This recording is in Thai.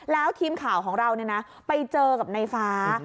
แล้วทีมข่าวของเราไปเจอกับในฟ้า